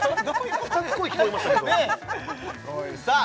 ２人声聞こえましたけどさあ